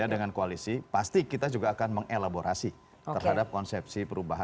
ya dengan koalisi pasti kita juga akan mengelaborasi terhadap konsepsi perubahan